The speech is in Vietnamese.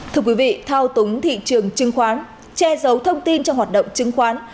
thưa quý vị thao túng thị trường chứng khoán che giấu thông tin trong hoạt động chứng khoán